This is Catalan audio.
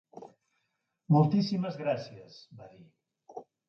"Moltíssimes gràcies", va dir.